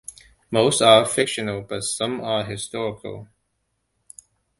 Most are fictional but some are historical.